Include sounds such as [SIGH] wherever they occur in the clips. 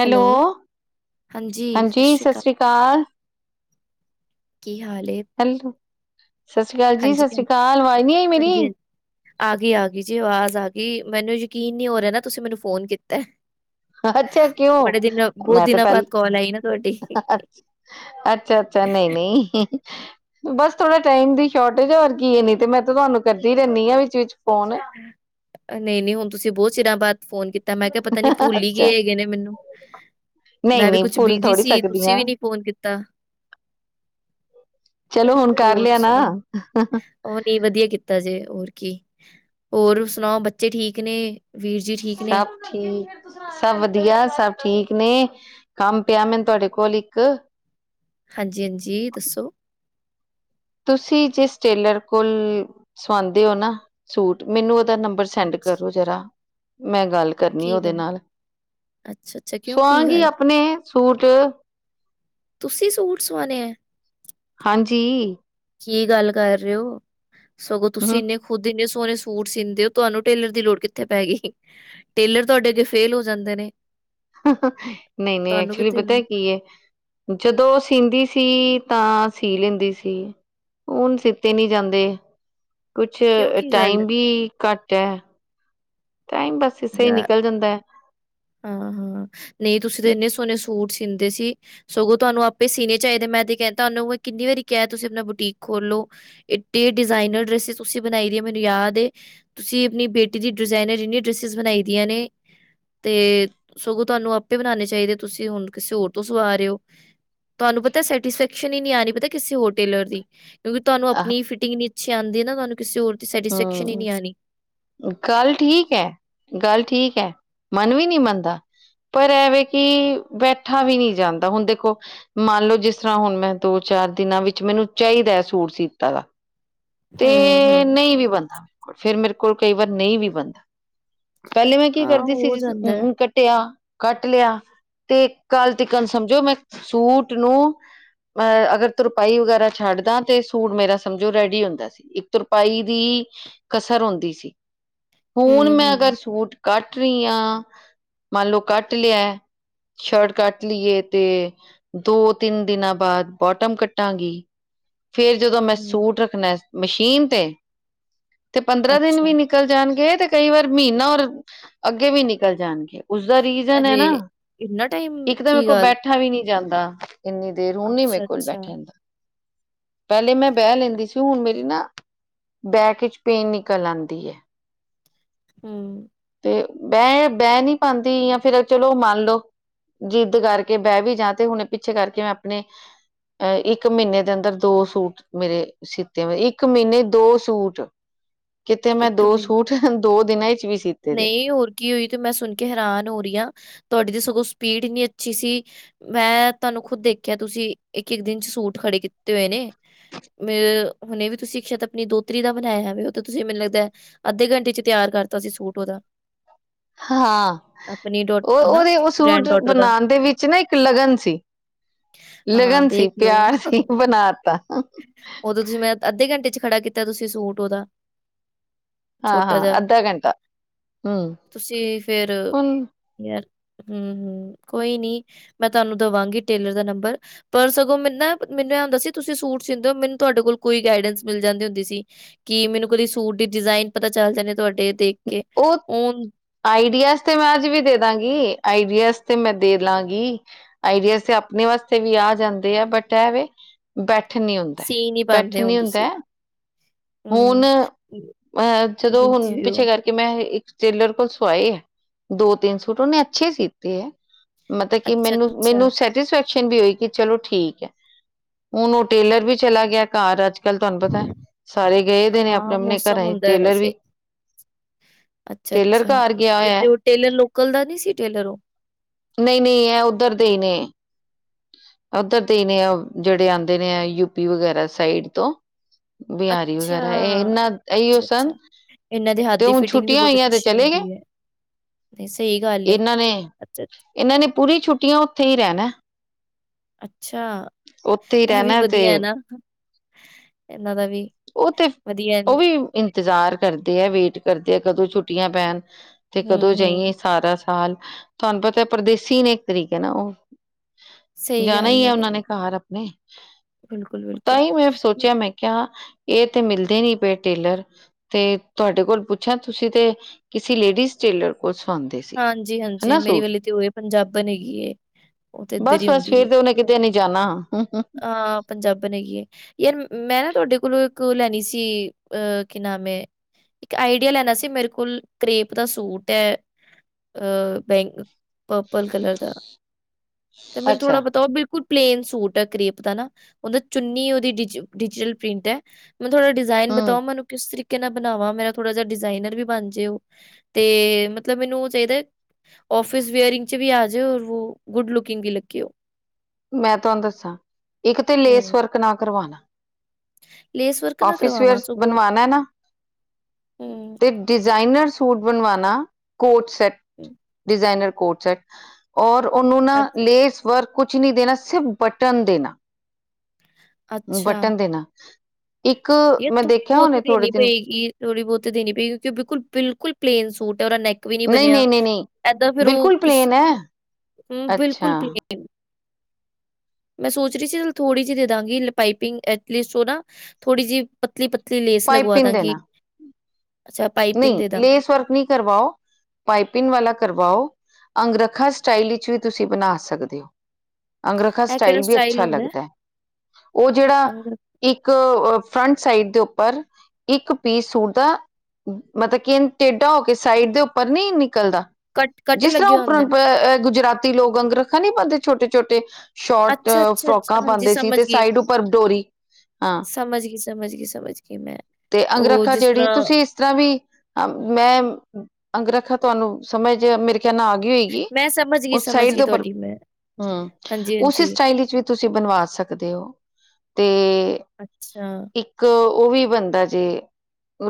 Hello, ਹਾਂਜੀ ਸਤਿ ਸ੍ਰੀ ਆਕਾਲ। ਕੀ ਹਾਲ ਏ? ਹੈਲੋ, ਸਤਿ ਸ੍ਰੀ ਆਕਾਲ ਹਾਂਜੀ ਜੀ-ਸਤਿ ਸ੍ਰੀ ਹਾਂਜੀ ਅਕਾਲ ਅਵਾਜ਼ ਨੀ ਆਈ ਮੇਰੀ? ਹਾਂਜੀ ਹਾਂਜੀ ਆ ਗਈ- ਆ ਗਈ ਜੀ, ਆਵਾਜ਼ ਆ ਗਈ ਮੈਨੂੰ ਯਕੀਨ ਨਹੀਂ ਹੋ ਰਿਹਾ ਨਾ ਤੁਸੀਂ ਮੈਨੂੰ ਫੋਨ ਕੀਤਾ। ਅੱਛਾ, ਕਿਉਂ ਬੜੇ ਦਿਨ ਬਹੁਤ ਮੈਂ ਤੇ ਦਿਨਾਂ ਪਹਿਲ ਬਾਅਦ ਕਾਲ ਆਈ ਨਾ ਤੁਹਾਡੀ ਅੱਛਾ-ਅੱਛਾ, ਨਹੀਂ-ਨਹੀਂ। ਬਸ, ਥੋੜਾ ਟਾਈਮ ਦੀ ਸ਼ੋਰਟੇਜ ਆ ਔਰ ਕੀ ਇਹ ਨੀ ਤੇ ਮੈਂ ਤਾਂ ਤੁਹਾਨੂੰ ਕਰਦੀ ਰਹਿੰਦੀ ਹਾਂ ਵਿੱਚ-ਵਿੱਚ ਫੋਨ। ਨਹੀਂ-ਨਹੀਂ ਹੁਣ ਤੁਸੀਂ ਬਹੁਤ ਚਿਰਾਂ ਬਾਅਦ ਫੋਨ ਕੀਤਾ ਮੈਂ ਕਿਹਾ ਨੀ ਭੁਲੀ ਅੱਛਾ ਗੇ ਹੈਗੇ ਨੇ ਮੈਨੂੰ ਨਹੀਂ ਮੈਂ ਵੀ ਨਹੀਂ ਕੁਛ ਭੁੱਲ ਬਿਜੀ ਥੋੜ੍ਹੀ ਸੀ, ਸਕਦੀ ਤੁਸੀਂ ਹਾਂ ਵੀ ਨੀ ਫੋਨ ਕੀਤਾ। ਚਲੋ, ਹੁਣ ਕਰ ਲਿਆ ਨਾ। ਵਧੀਆ, ਵਧੀਆ ਕੀਤਾ ਜੇ ਹੋਰ ਕੀ ਹੋਰ ਸੁਣਾਓ ਬੱਚੇ ਠੀਕ ਨੇ? ਵੀਰ ਜੀ ਠੀਕ ਨੇ? ਸਭ ਠੀਕ [UNINTELLIGIBLE] ਸਭ ਵਧੀਆ ਸਭ ਠੀਕ ਨੇ, ਕੰਮ ਪਿਆ ਮੈਨੂੰ ਤੁਹਾਡੇ ਕੋਲ ਇੱਕ ਹਾਂਜੀ-ਹਾਂਜੀ, ਦੱਸੋ? ਤੁਸੀਂ ਜਿਸ ਟੇਲਰ ਕੋਲ, ਸਵਾਂਦੇ ਹੋ ਨਾ? ਸੂਟ, ਮੈਨੂੰ ਉਹਦਾ ਨੰਬਰ ਸੈਂਡ ਕਰੋ ਜਰਾ ਮੈਂ ਗੱਲ ਕਰਨੀ ਕੀ ਉਹਦੇ ਗੱਲ ਨਾਲ, ਅੱਛਾ ਅੱਛਾ ਕਿਉਂ ਕੀ ਸੁਆਗੀ ਗੱਲ ਆਪਣੇ ਸੂਟ ਤੁਸੀਂ ਸੂਟ ਸਵਾਣੇ ਹੈ? ਹਾਂਜੀ। ਕੀ ਗੱਲ ਕਰ ਹੋ? ਸਗੋਂ ਤੁਸੀਂ ਹਮ ਇੰਨੇ ਖੁੱਦ ਇੰਨੇ ਸੋਹਣੇ ਸੂਟ ਸੀਂਦੇ ਹੋ, ਤੁਹਾਨੂੰ ਟੇਲਰ ਦੀ ਲੋੜ ਕਿੱਥੇ ਪੈ ਗਈ ਟੇਲਰ ਤੁਹਾਡੇ ਅੱਗੇ ਫੇਲ ਹੋ ਜਾਂਦੇ ਨੇ। ਨਹੀਂ-ਨਹੀਂ ਤੁਹਾਨੂੰ ਐਕਚੁਲੀ ਕਿੱਥੇ ਪਤਾ ਲ ਕੀ ਹੈ ਜਦੋਂ ਉਹ ਸੀਂਦੀ ਸੀ ਤਾਂ ਸੀ ਲੈਂਦੀ ਸੀ ਹੁਣ ਸਿੱਤੇ ਨੀ ਜਾਂਦੇ, ਕੁਛ ਕਿਉਂ ਕੀ ਗੱਲ ਟਾਈਮ ਘੱਟ ਐ ਟਾਈਮ ਬਸ ਇਸ ਸੇ ਹੀ ਯਾਰ ਨਿਕਲ ਜਾਂਦਾ ਹੈ। ਹਾਂ-ਹਾਂ, ਨਹੀਂ ਤੁਸੀਂ ਤਾਂ ਇੰਨੇ ਸੋਹਣੇ ਸੂਟ ਸੀਂਦੇ ਸੀ ਸਗੋਂ ਤੁਹਾਨੂੰ ਆਪੇ ਸੀਣੇ ਚਾਹੀਦੇ ਮੈਂ ਤੇ ਕਿਹਾ ਤੁਹਾਨੂੰ ਕਿੰਨੀ ਵਾਰੀ ਕਿਹਾ ਤੁਸੀਂ ਆਪਣਾ ਬੁਟੀਕ ਖੋਲੋ ਇਡੇ ਡਿਜ਼ਾਇਨਰ ਡਰੈਸ ਤੁਸੀਂ ਬਣਾਈ ਦੀਆਂ ਮੈਨੂੰ ਯਾਦ ਏ, ਤੁਸੀਂ ਆਪਣੀ ਬੇਟੀ ਦੀ ਡਿਜ਼ਾਇਨਰ ਇੰਨੇ ਡਰਸਿਸ ਬਣਾਈ ਦੀਆਂ ਨੇ ਤੇ ਸਗੋਂ ਤੁਹਾਨੂੰ ਆਪੇ ਬਣਾਉਣੇ ਚਾਹੀਦੇ ਤੁਸੀਂ ਹੁਣ ਕਿਸੇ ਹੋਰ ਤੋਂ ਸਵਾ ਰਹੇ ਹੋ। ਤੁਹਾਨੂੰ ਪਤਾ ਸੈਟਿਸਫੈਕਸ਼ਨ ਹੀ ਨੀ ਆਹੀ ਪਤਾ ਕਿਸੇ ਹੋਟੇਲਰ ਦੀ। ਕਿਉਂਕਿ ਤੁਹਾਨੂੰ ਆਪਨੀ ਫਿਟਿੰਗ ਨਹੀ ਅੱਛੀ ਆਉਂਦੀ ਨਾ ਤੁਹਾਨੂੰ ਕਿਸੇ ਹੋਰ ਦੀ ਸੈਟਿਸਫੈਕਸ਼ਨ ਹਮ ਨੀ ਆਉਣੀ। ਗੱਲ ਠੀਕ ਹੈ, ਗੱਲ ਠੀਕ ਹੈ, ਮਨ ਵੀ ਨਹੀਂ ਮੰਨਦਾ। ਪਰ ਐਵੇਂ ਕਿ, ਬੈਠਾ ਵੀ ਨਹੀਂ ਜਾਂਦਾ ਹੁਣ ਦੇਖੋ। ਮੰਨ ਲਓ ਜਿਸ ਤਰ੍ਹਾਂ ਹੁਣ ਮੈਂ ਦੋ- ਚਾਰ ਦਿਨਾਂ ਵਿੱਚ ਮੈਨੂੰ ਚਾਹੀਦਾ ਹੈ ਸੂਟ ਸੀਤਾ। ਹੂੰ ਤੇ ਹੂੰ ਨਹੀਂ ਵੀ ਬਣਦਾ, ਫੇਰ ਮੇਰੇ ਕੋਲ ਕਈ ਵਾਰ ਨਹੀਂ ਵੀ ਬਣਦਾ। ਪਹਿਲੇ ਮੈਂ ਕੀ ਹਾਂ ਕਰਦੀ ਸੀ ਹੋ ਜਿਸ ਜਾਂਦਾ ਹੈ ਹੁਣ ਕੱ- ਕੱਟਆ ਕੱਟ ਲਿਆ ਤੇ ਕੱਲ ਤਿਕਨ ਸਮਝੋ ਮੈਂ ਸੂਟ ਨੂੰ ਮੈਂ ਅਗਰ ਤੁਰਪਾਈ ਵਗੈਰਾ ਛੱਡਦਾ ਤੇ ਸੂਟ ਮੇਰਾ ਸਮਝੋ ਰੈਡੀ ਹੁੰਦਾ ਸੀ ਇੱਕ ਤੁਰਪਾਈ ਤਰਪਾਈ ਦੀ ਕਸਰ ਹੁੰਦੀ ਸੀ ਹੁਣ ਹੂੰ ਮੈਂ ਅਗਰ ਹੂੰ ਸੂਟ ਕੱਟ ਰਹੀ ਆ, ਮੰਨ ਲੋਓ ਕੱਟ ਲਿਆ। ਸ਼ਰਟ ਕੱਟਲੀ ਏ ਤੇ ਦੋ-ਤਿੰਨ ਦਿਨਾਂ ਬਾਅਦ ਬੋਟਮ ਕੱਟਾਂਗੀ। ਫੇਰ ਜਦੋਂ ਮੈਂ ਹੂੰ ਸੂਟ ਰੱਖਣਾ ਮਸ਼ੀਨ ਤੇ ਤੇ ਪੰਦਰਾਂ ਦਿਨ ਅੱਛਾ ਵੀ ਨਿਕਲ ਜਾਣਗੇ ਤੇ ਕਈ ਵਾਰ ਮਹੀਨਾ ਔਰ ਅੱਗੇ ਵੀ ਨਿਕਲ ਜਾਣਗੇ। ਉਸਦਾ ਰੀਜ਼ਨ ਐ ਅਰੇ ਨਾ ਇੰਨਾ ਟਾਈਮ ਇੱਕ ਤਾਂ ਮੇਰੇ ਕੀ ਕੋਲ ਗੱਲ ਬੈਠੇ ਬੈਠਾ ਵੀ ਨਹੀਂ ਜਾਂਦਾ ਇੰਨੀ ਦੇਰ ਹੁਣ ਨੀ ਮੇਰੇ ਅੱਛਾ ਕੋਲੋ ਅੱਛਾ ਬੈਠਾ ਜਾਂਦਾ। ਪਹਿਲੇ ਮੈਂ ਬਹਿ ਲੈਂਦੀ ਸੀ ਹੁਣ ਮੇਰੀ ਨਾ ਬੈਕ 'ਚ ਪੇਨ ਨਿਕਲ ਆਦੀ ਐ। ਹਮ ਤੇ ਮੈਂ ਬਹਿ ਨਹੀਂ ਪਾਦੀ ਜਾਂ ਫੇਰ ਚਲੋ ਮੰਨ ਲਓ। ਜਿੱਦ ਕਰਕੇ ਬਹਿ ਵੀ ਜਾ ਤੇ ਹੁਣੇ ਪਿੱਛੇ ਕਰਕੇ ਮੈਂ ਆਪਣੇ ਅ ਇੱਕ ਮਹੀਨੇ ਦੇ ਅੰਦਰ ਦੋ ਸੂਟ ਮੇਰੇ ਸਿੱਤੇ ਹੋਏ ਇੱਕ ਮਹੀਨੇ ਦੋ ਸੂਟ ਕਿਤੇ ਮੈਂ ਇੱਕ ਦੋ ਮਿੰਟ ਸੂਟ ਦੋਦਿਨਾਂ ਵਿੱਚ ਵੀ ਸੀ- ਨਹੀਂ ਹੋਰ ਕੀ ਹੋਈ ਤੇ ਮੈਂ ਸੁਣ ਕੇ ਹੈਰਾਨ ਹੋ ਰਹੀ ਹਾਂ ਤੁਹਾਡੀ ਤੇ ਸਗੋਂ ਸਪੀਡ ਵੀ ਅੱਛੀ ਸੀ। ਮੈਂ ਤੁਹਾਨੂੰ ਖੁਦ ਦੇਖਿਆ ਤੁਸੀਂ ਇੱਕ-ਇੱਕ ਦਿਨ ਚ ਸੂਟ ਖੜੇ ਕੀਤੇ ਹੋਏ ਨੇ। ਮੈਂ, ਹੁਣੇੇ ਵੀ ਤੁਸੀਂ ਸ਼ਾਹਿਦ ਆਪਣੀ ਦੋਹਤਰੀ ਦਾ ਬਣਾਇਆ ਹੋਵੇ ਉਹ ਤਾਂ ਤੁਸੀਂ ਮੈਨੂੰ ਲੱਗਦਾ ਅੱਧੇ ਘੰਟੇ ਚ ਤਿਆਰ ਕਰਤਾ ਸੀ ਸੂਟ ਉਹਦਾ। ਹਾਂ ਆਪਣੀ ਡੋ ਉਹ ਹਨਾ ਉਹਦੇ ਉਹ ਸੂਟ ਗ੍ਰੈਂਡ ਡੌਟਰ ਦਾ ਬਣਾਣ ਦੇ ਵਿੱਚ ਨਾ ਲਗਨ ਸੀ। ਹਾਂ, ਲਗਨ ਸੀ ਦੇਖ ਲਓ ਪਿਆਰ ਸੀ ਬਣਾ ਤਾ ਉਦੋਂ ਤੁਸੀਂ ਮੈਂ ਅੱਧੇ ਘੰਟੇ ਚ ਖੜਾ ਕੀਤਾ ਤੁਸੀਂ ਸੂਟ ਉਹਦਾ। ਹਾਂ- ਛੋਟਾ ਹਾਂ ਜਿਹਾ, ਅੱਧਾ ਘੰਟਾ। ਹਮ ਤੁਸੀਂ ਫੇਰ ਹੁਣ ਯਾਰ ਹਮ-ਹਮ ਕੋਈ ਨੀ ਮੈਂ ਤੁਹਾਨੂੰ ਦੇਵਾਂਗੀ ਟੇਲਰ ਦਾ ਨੰਬਰ ਪਰ ਸਗੋਂ ਮੈਨੂੰ ਨਾ ਮੈਨੂੰ ਇਹ ਹੁੰਦਾ ਸੀ ਤੁਸੀਂ ਸੂਟ ਸੀਂਦੇ ਹੋ ਮੈਨੂੰ ਤੁਹਾਡੇ ਕੋਲੋ ਕੋਈ ਗਾਈਡੈਂਸ ਮਿਲ ਜਾਂਦੀ ਹੁੰਦੀ ਸੀ। ਕੀ ਮੈਨੂੰ ਕਦੀ ਸੂਟ ਦੀ ਡਿਜ਼ਾਇਨ ਪਤਾ ਚੱਲ ਜਾਂਦੇ ਤੁਹਾਡੇ ਦੇਖ ਕੇ ਉਹ। ਆਈਡੀਆਜ਼ ਤੇ ਮੈਂ ਅੱਜ ਵੀ ਦੇ ਦਵਾਂਗੀ ਆਈਡੀਆਜ਼ ਤੇ ਮੈਂ ਦੇ ਲਾਂਗੀ। ਆਈਡੀਆਜ਼ ਤੇ ਆਪਣੇ ਵਾਸਤੇ ਵੀ ਆ ਜਾਂਦੇ ਆ ਬਟ ਐਵੇ ਬੈਠਣ ਨੀ ਸੀ ਨੀ ਪਾਂਦੇ ਹੁੰਦਾ-ਬੈਠਣ ਹੁਣ ਨਹੀਂ ਤੁਸੀਂ। ਹੁੰਦਾ। ਹੁਣ ਹੂੰ, ਅਹ ਜਦੋਂ ਹੁਣ ਬਿਜੀ ਹੋ ਪਿੱਛੇ ਕਰ- ਕੇ ਮੈਂ ਇੱਕ ਟੇਲਰ ਕੋਲੋ ਸਵਾਏ ਹੈ ਦੋ-ਤਿੰਨ ਸੂਟ ਉਹਨੇ ਅੱਛੇ ਸੀਤੇ ਹੈ। ਮਤਲਬ ਕਿ ਅੱਛਾ-ਅੱਛਾ, ਮੈਨੂੰ-ਮੈਨੂੰ ਸਾਟਸਫੈਕਸ਼ ਸ਼ਨ ਵੀ ਹੋਈ ਕਿ ਚਲੋ ਠੀਕ ਕੇ ਹੁਣ ਉਹ ਟੇਲਰ ਵੀ ਚਲਾ ਗਿਆ ਘਰ ਅੱਜ-ਕੱਲ੍ਹ ਤੁਹਾਨੂੰ ਪਤਾ। ਸਾਰੇ ਗਏ ਦੇ ਨੇ ਆਪਣੇ ਹਾਂ ਆਪਣੇ ਮੌਸਮ ਘਰਾਂ ਚ ਹੁੰਦਾ ਟੇਲਰ ਵੈਸੇ। ਵੀ ਟੇਲਰ ਅੱਛਾ-ਅੱਛਾ ਘਰ ਗਿਆ ਤੇ ਹੋਇਆ। ਜੋ ਟੇਲਰ ਲੋਕਲ ਦਾ ਨੀ ਸੀ ਟੇਲਰ ਉਹ ਨਹੀਂ-ਨਹੀਂ ਇਹ ਉੱਧਰ ਦੇ ਹੀ ਨੇ। ਉੱਧਰ ਦੇ ਹੀ ਨੇ ਜਿਹੜੇ ਆਉਂਦੇ ਨੇ ਆ ਯੂਪੀ ਵਗੈਰਾ ਸਾਈਡ ਤੋਂ। ਬਿਹਾਰੀ ਅੱਛਾ, ਵਗੈਰਾ ਇਹ ਇਨਾ ਇਹੀਓ ਸਨ ਅੱਛਾ-ਅੱਛਾ ਇਹਨਾਂ ਦੇ ਹੱਥ ਤੇ ਦੀ ਹੁਣ ਫਿਟਿੰਗ ਵੀ ਛੁੱਟੀਆਂ ਬਹੁਤ ਹੋਈਆਂ ਤੇ ਅੱਛੀ ਚਲੇ ਗਏ। ਹੁੰਦੀ [INAUDIBLE] ਹੈ, ਨਹੀਂ ਸਹੀ ਗੱਲ ਏ ਇਹਨਾਂ ਨੇ ਅੱਛਾ-ਅੱਛਾ। ਇਹਨਾਂ ਨੇ ਪੂਰੀ ਛੁੱਟੀਆਂ ਉੱਥੇ ਹੀ ਰਹਿਣਾ ਅੱਛਾ, ਉੱਥੇ ਹੀ ਇਹ ਵੀ ਰਹਿਣਾ ਤੇ ਵਧੀਆ ਹੈ ਨਾ ਇਹਨਾਂ ਦਾ ਵੀ ਉਹ ਤੇ ਵਧੀਆ ਉਹ ਵੀ ਇੰਤਜ਼ਾਰ ਕਰਦੇ ਹੈ ਵੇਟ ਕਰਦੇ ਆ ਕਦੋਂ ਛੁੱਟੀਆਂ ਪੈਣ ਤੇ ਕਦੋਂ ਹੂੰ-ਹੂੰ, ਜਾਈਏ ਸਾਰਾ ਸਾਲ ਤੁਹਾਨੂੰ ਪਤਾ ਹੈ ਪਰਦੇਸੀ ਨੇ ਇੱਕ ਤਰੀਕੇ ਨਾ ਉਹ ਸਹੀ ਜਾਣਾ ਹੀ ਗੱਲ ਏ ਹੈ ਉਹਨਾਂ ਨਹੀਂ ਨੇ ਘਰ ਆਪਣੇ। ਬਿਲਕੁਲ-ਬਿਲਕੁਲ। ਕਿਆ ਇਹ ਤੇ ਮਿਲਦੇ ਨੀ ਪਏ ਟੇਲਰ। ਤੇ ਤੁਹਾਡੇ ਕੋਲ ਪੁੱਛਿਆ ਤੁਸੀ ਤੇ ਕਿਸੇ ਲੇਡੀਜ਼ ਟੇਲਰ ਉਹ ਸੁਦੇ ਸੀ। ਹਾਂਜੀ-ਹਾਂਜੀ। ਹਨਾ ਮੇਰੀ ਸੂਟ ਵਾਲੀ ਤੇ ਉਹ ਇਹ ਪੰਜਾਬ ਹੈਗੀ ਏ। ਉਹ ਤੇ ਇੱਧਰ ਹੀ ਬਸ-ਬਸ ਹੁੰਦੀ ਏ। ਫੇਰ ਤੇ ਉਹਨੇ ਕਿਤੇ ਨੀ ਜਾਣਾ। ਹਾਂ, ਪੰਜਾਬਣ ਹੈਗੀ ਹੈ ਯਾਰ ਮੈਂ ਨਾ ਤੁਹਾਡੇ ਕੋਲੋਂ ਇੱਕ ਲੈਣੀ ਸੀ ਅਹ ਕੀ ਨਾਮ ਐ ਇੱਕ ਆਈਡੀਆ ਲੈਣਾ ਸੀ ਮੇਰੇ ਕੋਲ ਕਰੇਪ ਦਾ ਸੂਟ ਏ ਅ ਬੈਂ ਪਰਪਲ ਕਲਰ ਦਾ ਤੇ ਮੈਨੂੰ ਅੱਛਾ ਥੋੜਾ ਬਤਾਉ ਵੀ ਕੋਈ ਪਲੇਨ ਸੂਟ ਐ ਕਰੇਪ ਦਾ ਨਾ ਉਹਦਾ ਚੁੰਨੀ ਉਹਦੀ ਡਿ ਡਿਜੀਟਲ ਪ੍ਰਿੰਟ ਮਤਲਬ ਥੋੜਾ ਡਿਜ਼ਾਇਨ ਹਮ ਬਤਾਓ ਮੈਨੂੰ ਕਿਸ ਤਰੀਕੇ ਨਾਲ ਬਣਾਵਾ ਮੇਰਾ ਥੋੜਾ ਜਿਹਾ ਡਿਜ਼ਾਇਨਰ ਵੀ ਬਣ ਜੇ ਉਹ ਤੇ ਮਤਲਬ ਮੈਨੂੰ ਚਾਹੀਦਾ। ਔਫਿਸ ਵੇਅਰਿੰਗ ਚ ਵੀ ਆ ਜਾਏ ਰ ਗੁੱਡ ਲੁਕਿੰਗ ਵੀ ਲੱਗੀ ਹੋ। ਮੈਂ ਤੁਹਾਨੂੰ ਦੱਸਾਂ ਇੱਕ ਤੇ ਲੇਸ ਹੂੰ, ਵਰਕ ਨਾ ਕਰਵਾਣਾ ਲੇਸ ਵਰਕ ਨਾ ਆਫਿਸ ਵੇਅਰ ਕਰਵਾਵਾਂ ਸਗੋਂ ਬਣਵਾਨਾ ਐ ਨਾ। ਹੂੰ, ਤੇ ਡਿਜ਼ਾਇਨਰ ਸੂਟ ਬਣਵਾਣਾ ਕੋਟਸ ਸੈਟ ਹੂੰ, ਡਿਜ਼ਾਇਨਰ ਕੋਟ ਸੈਟ ਔਰ ਉਹੋ ਨਾ ਅੱਛਾ। ਲੇਸ ਵਰਕ ਕੁੱਛ ਨਹੀਂ ਦੇਣਾ ਸਿਰਫ ਬਟਨ ਦੇਣਾ। ਹ [INAUDIBLE] ਬਟਨ ਦੇਣਾ ਇੱਕ ਇਹ ਮੈਂ ਥੋੜ੍ਹੀ ਦੇਖਿਆ ਬਹੁਤੀ ਉਹਨੇ ਥੋੜੇ ਦੇਣੀ ਦਿਨ ਪਏਗੀ ਥੋੜੀ ਬਹੁਤੀ ਦੇਣੀ ਪਏਗੀ ਕਿਉਂਕਿ ਉਹ ਬਿਲਕੁਲ-ਬਿਲਕੁਲ ਪਲੇਨ ਸੂਟ ਐ ਉਹਦਾ ਨੈਕ ਵੀ ਨੀ ਨਹੀਂ ਬਣਿਆ ਨਹੀਂ ਨਹੀਂ ਨਹੀਂ ਏਦਾਂ ਫੇਰ ਉਹ ਕਿਸ ਹਮ ਬਿਲਕੁਲ ਪਲੇਨ ਮੈਂ ਸੋਚ ਰਹੀ ਸੀ ਥੋੜ੍ਹੀ ਜਿਹੀ ਦੇ ਦਾਂਗੀ ਪਾਈਪਿੰਗ ਐਟਲੀਸਟ ਉਹ ਨਾ ਥੋੜੀ ਜਿਹੀ ਪਤਲੀ-ਪਤਲੀ ਲੇਸ ਲਗਵਾ ਦਾਂਗੀ। ਨਹੀਂ ਲੇਸ ਵਰਕ ਨਹੀ ਕਰਵਾਓ। ਪਾਈਪਿੰਨ ਵਾਲਾ ਕਰਵਾਓ ਅੰਗਰੱਖਾ ਸਟਾਈਲ ਵਿੱਚ ਵੀ ਤੁਸੀਂ ਬਣਾ ਸਕਦੇ ਹੋ। ਅੰਗਰਖਾ ਇਹ ਕਿਹੜਾ ਸਟਾਈਲ ਵੀ ਅੱਛਾ ਹੁੰਦਾ ਲੱਗਦਾ ਹੈ ਉਹ ਜਿਹੜਾ ਅੰਗ ਇੱਕ ਫਰੰਟ ਸਾਈਡ ਦੇ ਉੱਪਰ ਇੱਕ ਪੀਸ ਸੂਟ ਦਾ ਮਤਲਬ ਇਹ ਟੇਢਾ ਹੋ ਕੇ ਸਾਈਡ ਦੇ ਉੱਪਰ ਨੀ ਨਿਕਲਦਾ। ਕੱਟ ਕੱਟ ਜਿਸ ਤਰ੍ਹਾਂ ਲੱਗਿਆ ਹੁੰਦਾ ਹੈ ਉੱਪਰ ਗੁਜਰਾਤੀ ਲੋਕ ਅੰਗ ਰੱਖਣ ਨੀ ਪਾਦੇ ਛੋਟੇ-ਛੋਟੇ ਸ਼ੋਰਟ ਅੱਛਾ ਅੱਛਾ ਫਰੋਕਾਂ ਅੱਛਾ ਹਾਂਜੀ ਪਾਦੇ ਸੀ ਸਮਝ ਤੇ ਗਈ ਸਾਈਡ ਉੱਪਰ ਡੋਰੀ। ਹਾਂ ਸਮਝ ਗਈ, ਸਮਝ ਗਈ, ਸਮਝ ਗਈ, ਮੈਂ ਉਹ ਜਿਸ ਤਰ੍ਹਾਂ ਜ ਤਰ੍ਹਾਂ ਵੀ ਮੈਂ ਅੰਗ ਰੱਖਾ ਤੁਹਾਨੂੰ ਸਮਝ ਮੇਰੇ ਚਨਾ ਗਈ ਹੋਏਗੀ। ਮੈਂ ਸਮਝ ਗਈ ਉਸ ਸਮਝ ਸਾਈਡ ਦੇ ਗਈ ਉੱਪਰ ਤੁਹਾਡੀ ਮੈਂ ਹਮ ਹਾਂਜੀ ਉਸੇ ਹਾਂਜੀ ਸਟਾਈਲ ਵਿੱਚ ਵੀ ਤੁਸੀਂ ਬਣਵਾ ਸਕਦੇ ਹੋ। ਤੇ ਅੱਛਾ ਇੱਕ ਉਹ ਵੀ ਬੰਦਾ ਜੇ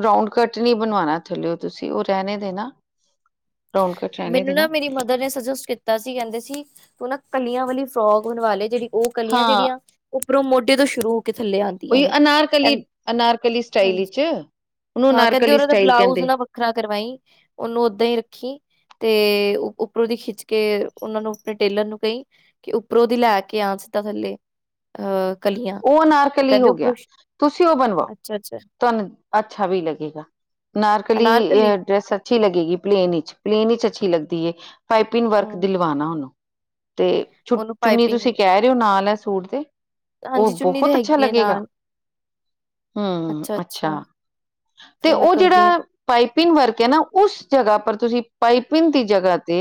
ਰਾਊਂਡ ਕਟਨੀ ਬਣਵਾਣਾ ਥੱਲਿਓ ਤੁਸੀਂ ਉਹ ਰਹਿਣੇ ਦੇਣਾ। ਰਾਊਂਡ ਕੱਟ ਰਹਿਣੇ ਮੈਨੂੰ ਨਾ ਦੇਣਾ ਮੇਰੀ ਮਦਰ ਨੇ ਸੁਜੈਸਟ ਕੀਤਾ। ਤਾ ਸੀ ਕਹਿੰਦੇ ਸੀ, ਉਹ ਨਾ ਕਲੀਆਂ ਵਾਲੀ ਫਰੋਕ ਬਣਵਾ ਲਏ ਜਿਹੜੀ ਉਹ ਕਲੀਆਂ ਹਾਂ ਜਿਹੜੀਆਂ ਉੱਪਰੋਂ ਮੋਢੇ ਤੋਂ ਸ਼ੁਰੂ ਹੋ ਕੇ ਥੱਲੇ ਆਂਦੀਆ ' ਉਹੀ [UNINTELLIGIBLE] ' ਅਨਾਰਕਲੀ ਅਨਾਰਕਲੀ ਸਟਾਈਲ ਹਾਂਜੀ ਵਿੱਚ ਉਹਨੂੰ ਹਾਂ ਕਹਿੰਦੇ ਅਨਾਰਕਲੀ ਉਹਨਾਂ ਦਾ ਸਟਾਈਲ ਬਲਾਉਜ ਕਹਿੰਦੇ ਨਾ ਵੱਖਰਾ ਕਰਵਾਈ ' [INAUDIBLE] ' ਉਹਨੂੰ ਓਦਾਂ ਹੀ ਖੀ ਤੇ ਉੱਪਰੋਂ ਦੀ ਖਿੱਚ ਕੇ ਉਹਨਾਂ ਨੂੰ ਟੇਲਰ ਨੂੰ ਕਹੀ ਕਿ ਉੱਪਰੋਂ ਦੀ ਲੈ ਕੇ ਆ ਸਿੱਧਾ ਥੱਲੇ ਅ ਕਲੀਆਂ ਉਹ ਅਨਾਰਕਲੀ ਹੋ ਗਿਆ ' [INAUDIBLE] ' ਤੁਸੀਂ ਉਹ ਬਣਵਾਉ। ਅੱਛਾ-ਅੱਛਾ। ਤੁਹਾਨੂੰ, ਅੱਛਾ ਵੀ ਲੱਗੇਗਾ ' [INAUDIBLE] ' ਨਾਰਕਲੀ ਅਨਾਰਕਲੀ ਡਰੈਸ ਅੱਛੀ ਲੱਗੇਗੀ ਪਲੇਨ ਵਿੱਚ ਪਲੇਨ ਵਿੱਚ ਅੱਛੀ ਲੱਗਦੀ ਐ ਪਾਈਪਿੰਨ ਵਰਕ ਹਮ ਉਹਨੂੰ ' [INAUDIBLE] ' ਤੇ ਉਹਨੂੰ ਚੁ-ਚੁੰਨੀ ਪਾਈਪਿੰਗ ਤੁਸੀਂ ਕਹਿ ਰਹੇ ਹੋ ਨਾਲ ਹੈ ਸੂਟ ਦੇ ਉਹ ਹਾਂਜੀ ਚੁੰਨੀ ਤੇ ਬਹੁਤ ਅੱਛਾ ਹੈਗੀ ਹੈ ਲੱਗੇਗਾ। ਨਾਲ ਹਮ ਅੱਛਾ, ' [INAUDIBLE] ' ਤੇ ਫੇਰ ਮੈਂ ਉਹ ਕਰਦੀ ਹਾਂ ਜਿਹੜਾ ਪਾਈਪਿੰਨ ਵਰਕ ਐ ਨਾ ਉਸ ਜਗ੍ਹਾ ਪਰ ਤੁਸੀਂ ਪਾਈਪਿੰਨ ਦੀ ਜਗ੍ਹਾ ਤੇ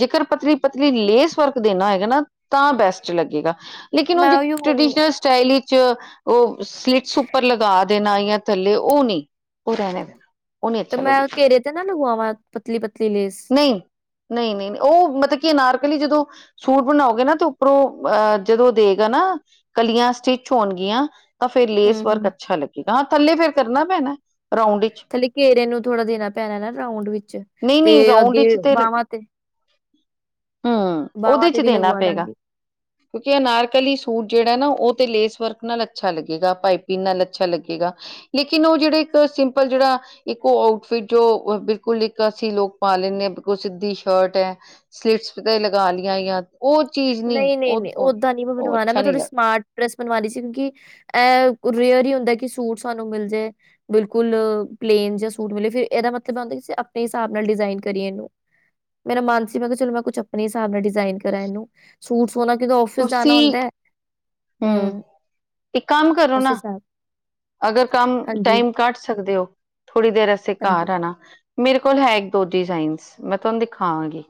ਜੇਕਰ ਪਤਲੀ-ਪਤਲੀ ਲੇਸ ਵਰਕ ਦੇਨਾ ਹੈਗਾ ਨਾ ਤਾਂ ਬੈਸਟ ਲੱਗੇਗਾ ਲੇਕਿਨ ਉਹ ਮੈਂ ਜੇ ਉਹੀ ਟ੍ਰਡੀਸ਼ਨਲ ਸਟਾਈਲ 'ਚ' ਉਹ ਸਲਿਟਸ ਉੱਪਰ ਲਗਾ ' [UNINTELLIGIBLE] ' ਥੱਲੇ ਉਹ ਨਹੀਂ ' [INAUDIBLE] ' ਉਹ ਰਹਿਣੇ ਦੇ ਤੇ ਮੈਂ ਘੇਰੇ ਤੇ ਨਾ ਲਗਵਾਂ, ਪਤਲੀ-ਪਤਲੀ ਲੇਸ ਨਹੀਂ ਨਹੀਂ-ਨਹੀਂ ਉਹ ਮਤਕੀ ਅਨਾਰਕਲੀ ਜਦੋਂ ਸੂਟ ਬਣਾਓਗੇ ਨਾ ਤੇ ਉੱਪਰੋਂ ਅਹ ਜਦੋਂ ਦੇਗਾ ਨਾ ਕਲੀਆਂ ਸਟਿਚ ਹੋਣਗੀਆਂ, ਤਾਂ ਫਿਰ ਲੇਸ ਵਰਕ ਹੂੰ-ਹੂੰ ਅੱਛਾ ਲ ਹਾਂ, ਥੱਲੇ ਫੇਰ ਕਰਨਾ ਪੈਣਾ ਰਾਊਂਡ ਥੱਲੇ ਘੇਰੇ ਨੂੰ ਥੋੜਾ ਦੇਣਾ ਪੈਣਾ ਨਾ ਰਾਊਂਡ ਵਿੱਚ ਤੇ ਅੱਗੇ ਵਾਹਵਾਂ ਤੇ ' [INAUDIBLE] ' ਹਮ ਉਹਦੇ ਬਾਵਾਂ 'ਚ' ਤੇ ਵੀ ਦੇਣਾ ਲਗਵਾ ਪਏਗਾ ' [INAUDIBLE] ਦਾਂਗੀ ' ਕਿਉਂਕਿ ਅਨਾਰਕਲੀ ਸੂਟ ਜਿਹੜਾ ਨਾ ਉਹ ਤੇ ਲੇਸ ਵਰਕ ਨਾਲ ਅੱਛਾ ਲੱਗੇ ਗਾ, ਪਾਈਪਿੰਨ ਨਾਲ ਅੱਛਾ ਲੱਗੇਗਾ ਲੇਕਿਨ ਉਹ ਜਿਹੜਾ ਇੱਕ ਸਿੰਪਲ ਜਿਹੜਾ ਇੱਕ ਉਹ ਆਊਟਫਿਟ ਜੋ ਇੱਕ ਲੋਕ ਪਾ ਲੈਂਦੇ ਹਾਂ ਬਿਲਕੁਲ ਕੁਲ ਸਿੱਧੀ ਸ਼ਰਟ ਐ। ਸਲਿਟਸ ਤੇ ਲਗਾ ਲਈਆ ਜਾ ਉਹ ਚੀਜ਼ ਨੀ ਉਹ ਉਹ ਬਵਾਉਣਾ ਅੱਛਾ ਮੈਂ ਨਹੀਂ ਥੋੜ੍ਹੀ ਲੱਗ ਸਮਾਰਟ ਡਰੈਸ ਬਣਵਾਣੀ ਸੀ ਕਿਉਂਕਿ ਅ ਰੇਅਰ ਹੀ ਹੁੰਦਾ ਕਿ ਸੂਟ ਸਾਨੂੰ ਮਿਲ ਜੇ ਬਿਲਕੁਲ, ਪਲੇਨ ਜਾਂ ਸੂਟ ਮਿਲੇ ਫਿਰ ਇਹਦਾ ਮਤਲਬ ਹੁੰਦਾ ਆਪਣੇ ਹਿਸਾਬ ਨਾਲ ਡਿਜ਼ਾਇਨ ਕਰੀਏ ਇਹਨੂੰ ਮੇਰਾ ਮਨ ਸੀ ਮੈਂ ਕਿਹਾ ਚਲੋ ਮੈਂ ਕੁਛ ਆਪਣੇ ਹਿਸਾਬ ਨਾਲ ਡਿਜ਼ਾਇਨ ਕਰਾਂ ਇਹਨੂੰ ਸੂਟ ਸੋਣਾ ਕਿਤੇ ਆਫਿਸ ਜਾਣਾ ਹੁੰਦਾ। ਹਮ, ਹੂੰ ' [INAUDIBLE] ' ਇੱਕ ਕੰਮ ਕਰੋ ਉਸ ਨਾ ਹਿਸਾਬ ਅਗਰ, ਕੰਮ ਟਾਈਮ ਹਾਂਜੀ-ਹਾਂਜੀ ਕੱਟ ਸਕਦੇ ਹੋ ' [INAUDIBLE] ' ਥੋੜ੍ਹੀ ਦੇਰ ਅਸੀਂ ਘਰ ਆਣਾ। ਮੇਰੇ ਕੋਲ ਹੈ ਇੱਕ, ਦੋ ਡਿਜ਼ਾਇਨਸ ਮੈਂ ਤੁਹਾਨੂੰ ਦਿਖਾਵਾਂਗੀ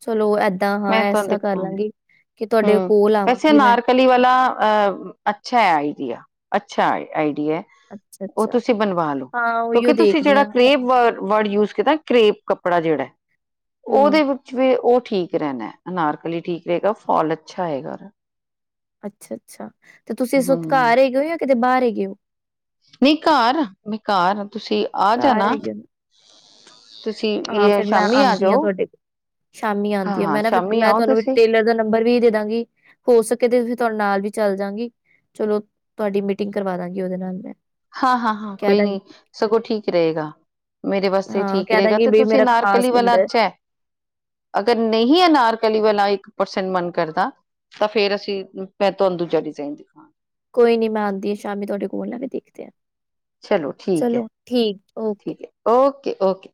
ਚਲੋ ਏਦਾਂ ਹਾਂ ਮੈਂ ਇਸ ਤੁਹਾਨੂੰ ਤਰ੍ਹਾਂ ਕਰ ਦਿਖਾਵਾਂ ਲਾਂਗੀ ਕਿ ਤੁਹਾਡੇ ਕੋਲ ਆਵਾਂਗੀ ਮੈਂ ਕਲੀ ਵਾਲਾ ਅ-ਅੱਛਾ ਆਈਡੀਆ ਅੱਛਾ ਆਈਡੀਆ। ' [INAUDIBLE] ' ਉਹ ਅੱਛਾ-ਅੱਛਾ ਤੁਸੀਂ ਬਣਵਾ ਲਓ, ਹਾਂ ਕਿਉਂਕਿ ਉਹੀਓ ਤੁਸੀਂ ਦੇਖਦੀ ਜਿਹੜਾ ਹਾਂ ਕਰੇਬ ਵ-ਵਰਡ ਯੂਜ ਕੀਤਾ ਕਰੇਪ ਕੱਪੜਾ ਜਿਹੜਾ ' [INAUDIBLE] ' ਹੂੰ ਉਹਦੇ ਵਿੱਚ ਵੀ ਉਹ ਠੀਕ ਰਹਿਣਾ, ਅਨਾਰਕਲੀ ਠੀਕ ਰਹੇਗਾ ਫੌਲ ਅੱਛਾ ਹੋਏਗਾ ਉਹਦਾ ਅੱਛਾ-ਅੱਛਾ ਤੇ ਤੁਸੀਂ ਇਸ ਵਕਤ ਹਮ ਘਰ ਹੈਗੇ ਹੋ ਜਾਂ ਕਿਤੇ ਬਾਹਰ ਹੈਗੇ ਹੋ ਨਹੀਂ ਘਰ ਆ, ਮੈਂ ਘਰ ਤੁਸੀਂ ਆ ਘਰ ਜਾਣਾ। ਹੈਗੇ ਹੋ ਨਾ? ਤੁਸੀਂ ਹਾਂ, ਇਹ ਫੇਰ ਮੈਂ ਸ਼ਾਮੀ ਆਂਦੀ ਆ ਜਾਓ ਤੁਹਾਡੇ ਸ਼ਾਮੀ ਹਾਂ ਆਂਦੀ ਆ ਹਾਂ ਮੈਂ ਨਾ ਸ਼ਾਮੀ ਮੈਂ ਆਓ ਤੁਹਾਨੂੰ ਤੁਸੀਂ ਟੇਲਰ ਦਾ ਨੰਬਰ ਵੀ ਦੇ ਦਾਂਗੀ। ਹੋ ਸਕੇ ਤੇ ਫਿਰ ਤੁਹਾਡੇ ਨਾਲ ਵੀ ਚੱਲ ਜਾਂਗੀ ਚਲੋ ਤੁਹਾਡੀ ਮੀਟਿੰਗ ਕਰਵਾ ਦਾਂਗੀ ਉਹਦੇ ਨਾਲ ਮੈਂ। ਹਾਂ, ਹਾਂ, ਹਾਂ ਕਹਿ ਕੋਈ ਨੀ, ਦਾਂਗੀ ਸਗੋਂ ਠੀਕ ਰਹੇਗਾ। ਮੇਰੇ ਵਾਸਤੇ ਹਾਂ ਠੀਕ ਕਹਿ ਰਹੇ ਗਾ ਦਾਂਗੀ ਤੇ ਬਈ ਤੁਸੀਂ ਮੇਰਾ ਅਨਾਰਕਲੀ ਖ਼ਾਸ ਵਾਲਾ ਬੰਦਾ ਹੈ ਅੱਛਾ। ਅਗਰ ਨਹੀਂ ਅਨਾਰਕਲੀ ਵਾਲਾ ਇੱਕ ਪਰਸੈਂਟ ਮਨ ਕਰਦਾ ਤਾਂ ਫੇਰ ਅਸੀਂ ਮੈਂ ਤੁਹਾਨੂੰ ਦੂਜਾ ਡਿਜ਼ਾਇਨ ਦੇਦੋ। ਕੋਈ ਨੀ ਮੈਂ ਆਦੀ ਆ ਸ਼ਾਮੀ ਤੁਹਾਡੇ ਕੋਲ ਨਾ ਕੇ ਦੇਖਦੇ ਆ ਚਲੋ ਠੀਕ ਹੈ ਚਲੋ ਠੀਕ ਓਕੇ। ਠੀਕ ਹੈ ਓਕੇ - ਓਕੇ।